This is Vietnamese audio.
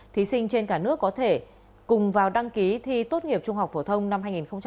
thí sinh trên cả nước có thể cùng vào đăng ký thi tốt nghiệp trung học phổ thông năm hai nghìn hai mươi